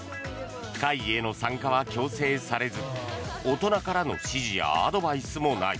会議への参加は強制されず大人からの指示やアドバイスもない。